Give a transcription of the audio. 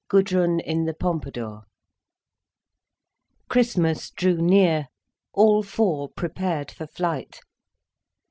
GUDRUN IN THE POMPADOUR Christmas drew near, all four prepared for flight.